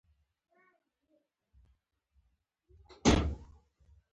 احمده! زه در پر لاره يم؛ تر لمبه مه لوېږه.